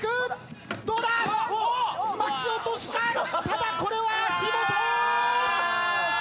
ただこれは足元！